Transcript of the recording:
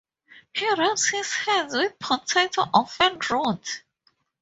He rubs his hands with potato or fern root.